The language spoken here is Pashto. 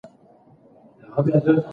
سیلانیان باید له نامعلومو لارو ډډه وکړي.